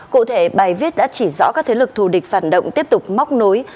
cụ thể bài viết đã chỉ rõ các thế lực thù địch phản động tiếp tục móc nối